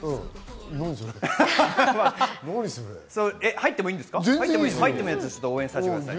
入ってもいいんですね。